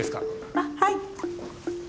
あっはい。